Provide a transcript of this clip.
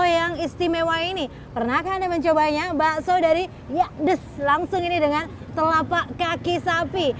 yang istimewa ini pernahkah anda mencobanya bakso dari yakdes langsung ini dengan telapak kaki sapi